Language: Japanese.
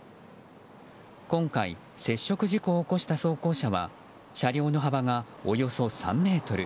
今回接触事故を起こした装甲車は車両の幅がおよそ３ｍ。